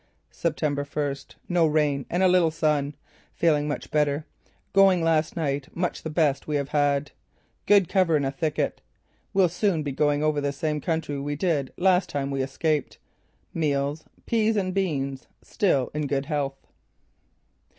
"September first: No rain and a little sun. Feeling much better. Going last night much the best we have had. Good cover in a thicket. Will soon be going over the same country we did last time we escaped. Meals: peas and beans. Still in good health."